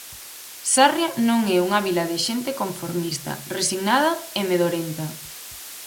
Sarria non é unha vila de xente conformista, resignada e medorenta.